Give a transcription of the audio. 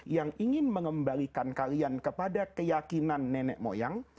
yang ingin mengembalikan kalian kepada keyakinan nenek moyang